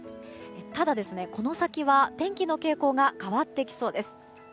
ただ、この先は天気の傾向が変わってきそうです。